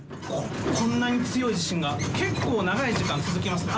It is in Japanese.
こんなに強い地震が、結構長い時間続きますね。